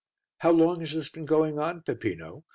"How long has this been going on, Peppino?